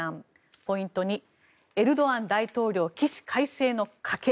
ポイント２、エルドアン大統領起死回生の賭け。